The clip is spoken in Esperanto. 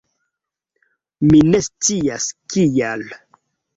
Mi ne scias kial